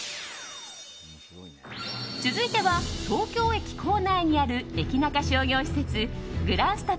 続いては東京駅構内にあるエキナカ商業施設グランスタ